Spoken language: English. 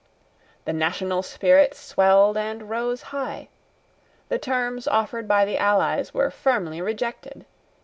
The national spirit swelled and rose high. The terms offered by the allies were firmly rejected.